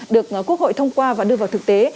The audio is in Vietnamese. được quốc hội thông qua và đưa vào thực tế